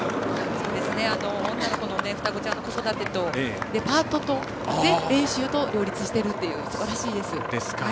女の子の双子ちゃんの子育てとパートと練習とを両立しているということですばらしいです。